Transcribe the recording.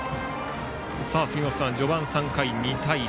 杉本さん、序盤３回２対０。